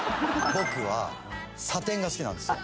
「僕はサテンが好きなんですよ」